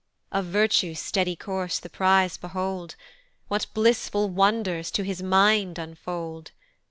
Of virtue's steady course the prize behold! What blissful wonders to his mind unfold!